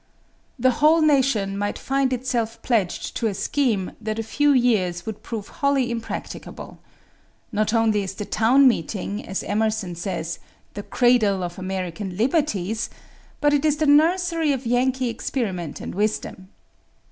"The whole nation might find itself pledged to a scheme that a few years would prove wholly impracticable. Not only is the town meeting, as Emerson says, 'the cradle of American liberties,' but it is the nursery of Yankee experiment and wisdom.